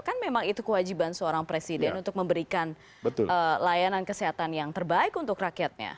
kan memang itu kewajiban seorang presiden untuk memberikan layanan kesehatan yang terbaik untuk rakyatnya